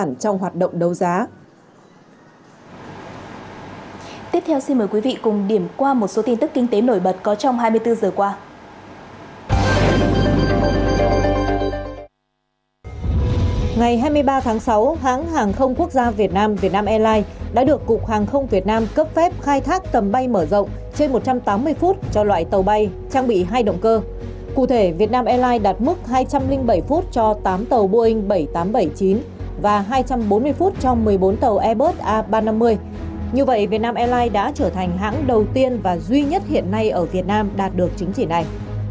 như vậy việt nam airlines đã trở thành hãng đầu tiên và duy nhất hiện nay ở việt nam đạt được chứng chỉ này